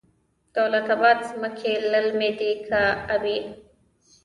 دولت اباد ځمکې للمي دي که ابي؟